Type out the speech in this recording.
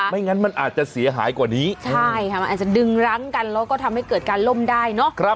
ไม่งั้นมันอาจจะเสียหายกว่านี้ใช่ค่ะมันอาจจะดึงรั้งกันแล้วก็ทำให้เกิดการล่มได้เนอะ